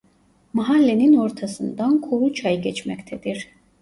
Mahallenin ortasından Kuru Çay geçmektedir.